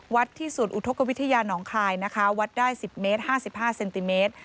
วัดที่ศูนย์อุทกวิทยานองคลายนะคะวัดได้สิบเมตรห้าสิบห้าเซ้นติเมตร